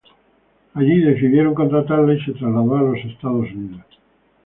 Allí decidieron contratarla y se trasladó a Estados Unidos.